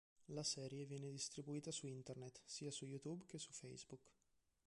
La serie viene distribuita su Internet sia su YouTube che su Facebook.